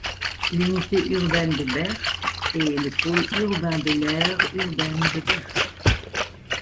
L'unité urbaine de Berck est le pôle urbain de l'aire urbaine de Berck.